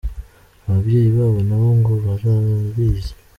Ababyeyi babo na bo ngo barabizi.